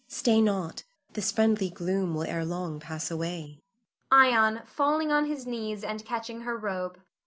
Stay not; this friendly gloom will ere long pass away. Ion [falling on his knees and catching her robe].